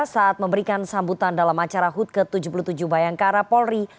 saat memberikan sambutan dalam acara hut ke tujuh puluh tujuh bayangkara polri